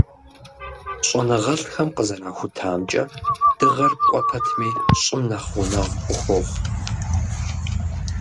ЩӀэныгъэлӀхэм къызэрахутамкӀэ, Дыгъэр кӀуэ пэтми, ЩӀым нэхъ гъунэгъу къыхуохъу.